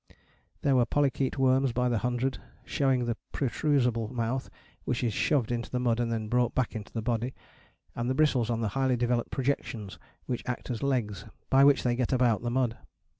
There were Polychaete worms by the hundred, showing the protrusable mouth, which is shoved into the mud and then brought back into the body, and the bristles on the highly developed projections which act as legs, by which they get about the mud.